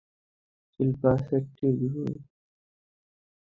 শিল্পা শেট্টির ফিগার খারাপ হয়েছে?